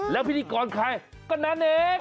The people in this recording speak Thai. แล้วพิธีกรใครก็นั่นเอง